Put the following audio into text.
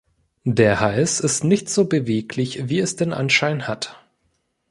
Der Hals ist nicht so beweglich, wie es den Anschein hat.